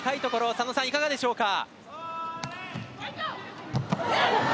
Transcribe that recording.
佐野さん、いかがでしょうか。